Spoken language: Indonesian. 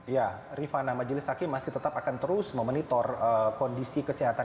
ya rifana majelis hakim masih tetap akan terus memonitor kondisi kesehatan